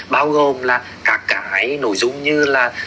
bao gồm là các cái nội dung như là